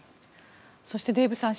そしてデーブさん